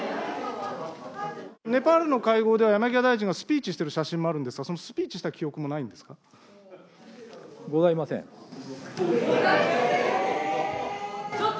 ネパールの会合では、山際大臣がスピーチしてる写真もあるんですが、そのスピーチしたございません。